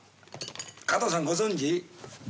加藤さんご存じ？